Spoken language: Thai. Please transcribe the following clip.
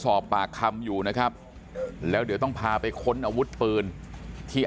สอบปากคำอยู่นะครับแล้วเดี๋ยวต้องพาไปค้นอาวุธปืนที่